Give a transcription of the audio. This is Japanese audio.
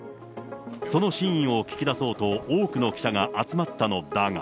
その真意を聞き出そうと、多くの記者が集まったのだが。